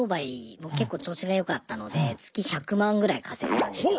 僕結構調子がよかったので月１００万ぐらい稼いでたんですよ。